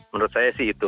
menurut saya sih itu